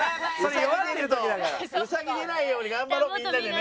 ウサギ出ないように頑張ろうみんなでね。